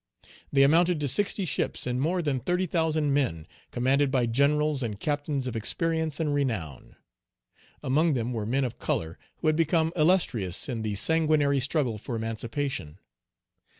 They amounted to sixty ships and more than thirty thousand men, commanded by generals and captains of experience and renown. Among them were men of color who had become illustrious in the sanguinary struggle for emancipation.